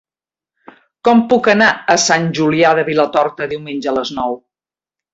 Com puc anar a Sant Julià de Vilatorta diumenge a les nou?